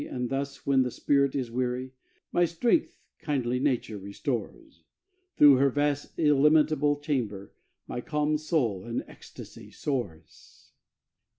And thus, when the spirit is weary, My strength kindly nature restores; Through her vast illimitable chamber My calm soul in ecstasy soars.